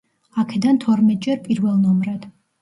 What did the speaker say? აქედან თორმეტჯერ პირველ ნომრად.